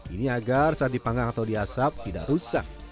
ini agar saat dipanggang atau di asap tidak rusak